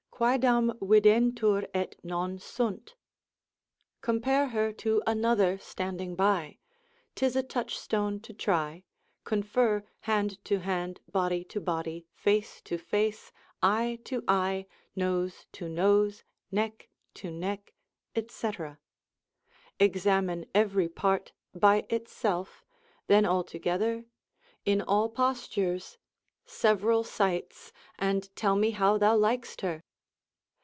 Quaedam videntur et non sunt; compare her to another standing by, 'tis a touchstone to try, confer hand to hand, body to body, face to face, eye to eye, nose to nose, neck to neck, &c., examine every part by itself, then altogether, in all postures, several sites, and tell me how thou likest her.